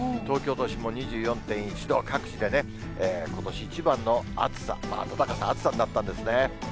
東京都心も２４．１度、各地でことし一番の暑さ、暖かさ、暑さになったんですね。